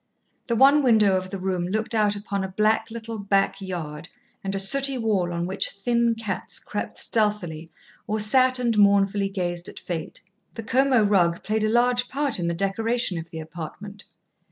The one window of the room looked out upon a black little back yard and a sooty wall on which thin cats crept stealthily or sat and mournfully gazed at fate. The Como rug played a large part in the decoration of the apartment.